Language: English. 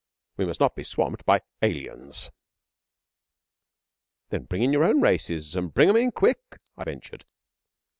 We must not be swamped by Aliens.' 'Then bring in your own races and bring 'em in quick,' I ventured.